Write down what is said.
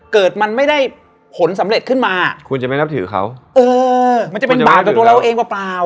เกิดมันไม่ได้ผลสำเร็จขึ้นมาคุณจะไม่นับถือเขาเออมันจะเป็นบาปกับตัวเราเองเปล่า